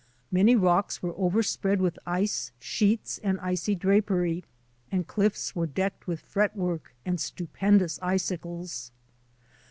Many rocks were overspread with ice sheets and icy drapery, and cliffs were decked with fretwork and stupendous icicles.